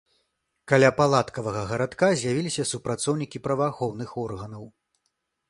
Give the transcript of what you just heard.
Каля палаткавага гарадка з'явіліся супрацоўнікі праваахоўных органаў.